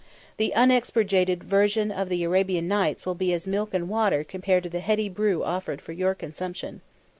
the unexpurgated version of the Arabian Nights will be as milk and water compared to the heady brew offered for your consumption.